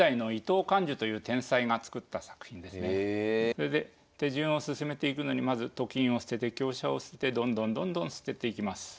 それで手順を進めていくのにまずと金を捨てて香車を捨ててどんどんどんどん捨てていきます。